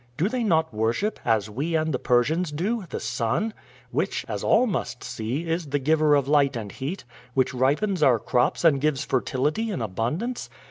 "Do they not worship, as we and the Persians do, the sun, which, as all must see, is the giver of light and heat, which ripens our crops and gives fertility in abundance?"